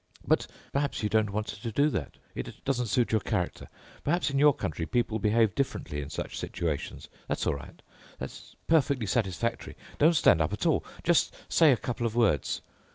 But perhaps you don't want to do that. It doesn't suit your character. Perhaps in your country people behave differently in such situations. That's all right. That's perfectly satisfactory. Don't stand up at all. Just say a couple of words.